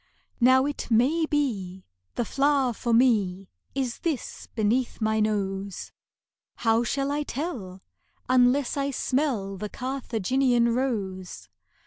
Now it may be, the flower for me Is this beneath my nose; How shall I tell, unless I smell The Carthaginian rose?